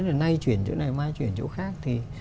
rồi nay chuyển chỗ này mai chuyển chỗ khác